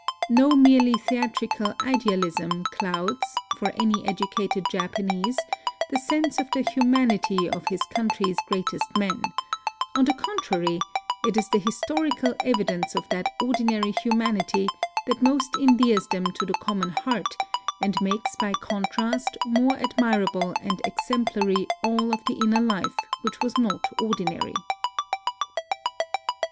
No merely theatrical idealism clouds, for any educated Japanese, the sense of the humanity of his country's greatest men: on the contrary, it is the historical evidence of that ordinary humanity that most endears them to the com mon heart, and makes by contrast more admir able and exemplary all of the inner life which was not ordinary.